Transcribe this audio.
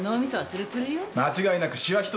間違いなくシワ一つないな。